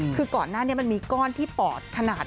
คือก่อนหน้านี้มันมีก้อนที่ปอดขนาด